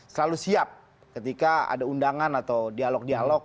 selalu siap ketika ada undangan atau dialog dialog